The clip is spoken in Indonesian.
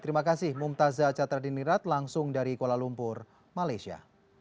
terima kasih mumtazah catradinirat langsung dari kuala lumpur malaysia